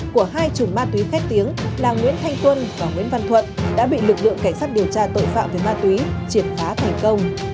của hai chùm ma túy khét tiếng là nguyễn thanh quân và nguyễn văn thuận đã bị lực lượng cảnh sát điều tra tội phạm về ma túy triệt phá thành công